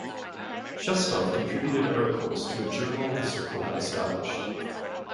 Shestov contributed articles to a journal the circle had established.